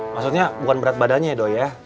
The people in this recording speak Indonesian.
maksudnya bukan berat badannya doi ya